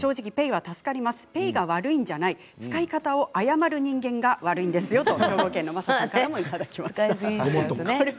ペイは助かりますけれどペイが悪いんじゃなくて使い方を誤る人間が悪いんですよ